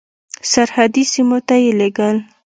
سرحدي سیمو ته یې لېږل.